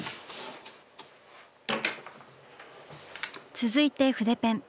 続いて筆ペン。